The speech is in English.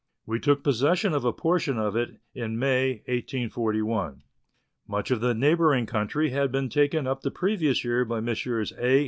We took possession of a portion of it in May 1841. Much of the neighbouring country had been taken up the previous year by Messrs. A.